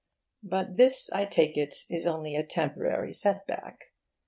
But this, I take it, is only a temporary setback.